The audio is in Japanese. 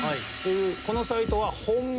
このサイトは。